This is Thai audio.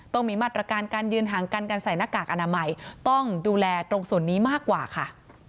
ต้องมีมาตรการการยืนห่างกันการใส่หน้ากากอนามัยต้องดูแลตรงส่วนนี้มากกว่าค่ะ